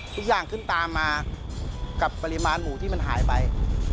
ทุกอย่างขึ้นตามมากับปริมาณหมูที่มันหายไป